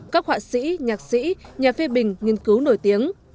các họa sĩ nhạc sĩ nhà phê bình nghiên cứu nổi tiếng